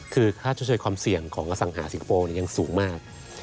คือค่าชดเชยความเสี่ยงของอสังหาสิงคโปร์ยังสูงมาก